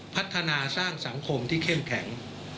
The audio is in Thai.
พัฒนาสร้างสังคมที่เข้มแข็ง